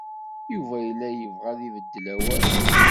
Yuba yella yebɣa ad ibeddel awal.